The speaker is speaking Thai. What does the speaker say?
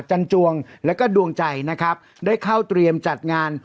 จันจวงแล้วก็ดวงใจนะครับได้เข้าเตรียมจัดงาน